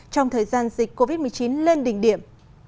trong thời gian dịch covid một mươi chín lên đỉnh điểm